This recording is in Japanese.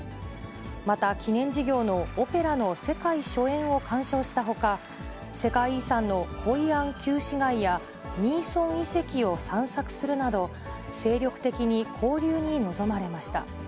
また記念事業のオペラの世界初演を鑑賞したほか、世界遺産のホイアン旧市街やミーソン遺跡を散策するなど、精力的に交流に臨まれました。